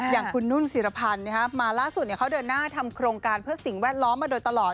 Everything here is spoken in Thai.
อย่างคุณนุ่นศิรพันธ์มาล่าสุดเขาเดินหน้าทำโครงการเพื่อสิ่งแวดล้อมมาโดยตลอด